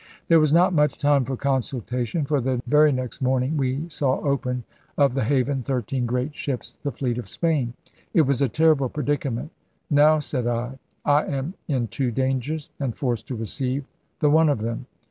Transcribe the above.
There was not much time for consultation; for the very next morning *we saw open of the haven 13 great ships, the fleet of Spain.' It was a terrible predicament. *NoWy said I, 7 am in two dangers, and forced to receive the one of them.